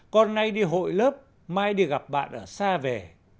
con nay đi hội lớp mai đi gặp bạn ở xa về